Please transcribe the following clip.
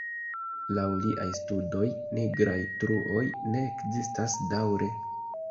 Laŭ liaj studoj, nigraj truoj ne ekzistas daŭre.